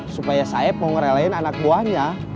supaya saya mau ngerelain anak buahnya